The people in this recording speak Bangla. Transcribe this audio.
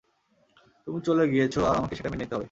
তুমি চলে গিয়েছো আর আমাকে সেটা মেনে নিতে হবে।